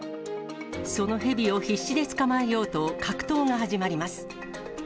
そのヘビを必死で捕まえようと、格闘が始まります。